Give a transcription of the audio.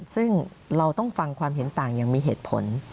ซึ่งเราต้องฟังความเห็นต่างอย่างมีเหตุผล